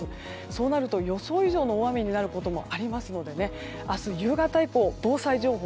そうすると予想以上の大雨になることもありますので、明日夕方以降防災情報